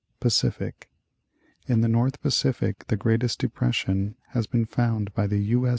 Pacific. — In the North Pacific the greatest depression has been found by the U.